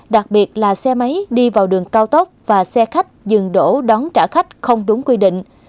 đặc biệt là xe máy đi vào đường cao tốc và xe khách dừng đổ đón trả khách không đúng quy định